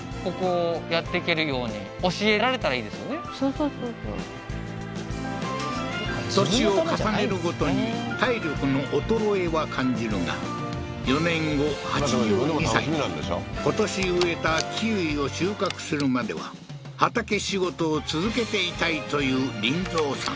そうそう年を重ねるごとに体力の衰えは感じるが４年後８２歳で今年植えたキウイを収穫するまでは畑仕事を続けていたいという林三さん